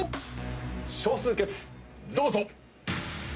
少数決どうぞ！